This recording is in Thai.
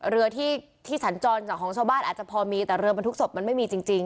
เรือที่สัญจรจากของชาวบ้านอาจจะพอมีแต่เรือบรรทุกศพมันไม่มีจริง